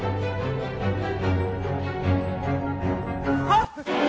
あっ！